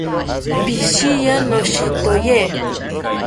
Pishiya, noshitoye